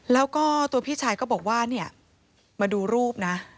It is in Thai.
แล้วก็ตัวพี่ชายก็บอกว่าเนี่ยมาดูรูปนะ